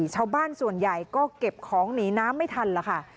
ชาวบ้านส่วนใหญ่ก็เก็บของหนีน้ำไม่ทันแล้วค่ะ